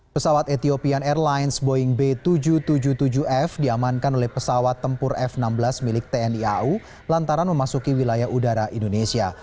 pesawat ethiopian airlines boeing b tujuh ratus tujuh puluh tujuh f diamankan oleh pesawat tempur f enam belas milik tni au lantaran memasuki wilayah udara indonesia